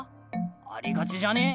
ありがちじゃね？